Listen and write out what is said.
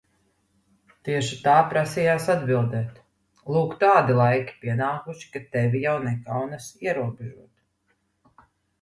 Tieši tā prasījās atbildēt. Lūk tādi laiki pienākuši, ka tevi jau nekaunas ierobežot.